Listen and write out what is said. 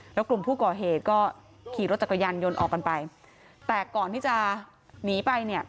แล้วกลุ่มผู้ก่อเหตุก็ขี่รถจักรยานยนต์ออกกันไปแต่ก่อนที่จะหนีไปเนี่ย